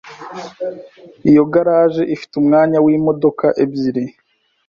Iyo garage ifite umwanya wimodoka ebyiri.